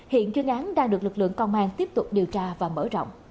hiện chuyên án đang được lực lượng công an tiếp tục điều tra và mở rộng